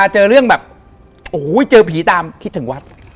เจอผีตามคิดถึงวัด